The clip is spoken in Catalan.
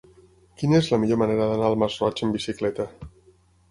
Quina és la millor manera d'anar al Masroig amb bicicleta?